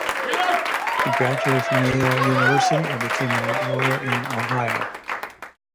He graduated from Yale University and became a lawyer in Ohio.